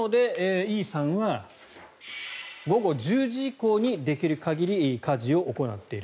なので、Ｅさんは午後１０時以降にできる限り家事を行っている。